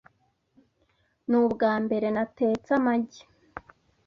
Nubwambere natetse amagi .